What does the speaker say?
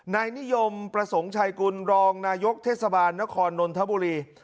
นายนิยมประสงค์ชายกุลรองนายกเทศบาลนครนนทบุรี